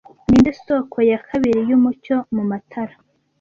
Ninde soko ya kabiri yumucyo mumatara